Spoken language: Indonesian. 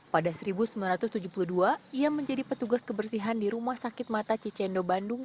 pada seribu sembilan ratus tujuh puluh dua ia menjadi petugas kebersihan di rumah sakit mata cicendo bandung